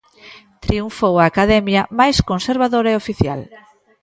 Triunfou a Academia máis conservadora e oficial.